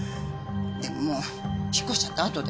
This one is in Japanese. でももう引っ越しちゃったあとで。